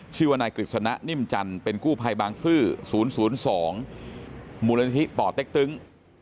ชื่อว่านายกฤษณะนิ่มจันทร์เป็นกู้ภัยบางซื่อ๐๐๒มูลนิธิป่อเต็กตึง